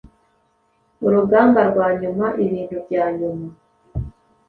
urugamba rwa nyuma ibintu bya nyuma